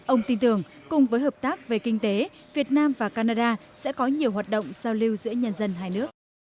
ông tin tưởng cùng với hợp tác về kinh tế việt nam và canada sẽ có nhiều hoạt động giao lưu giữa nhân dân hai nước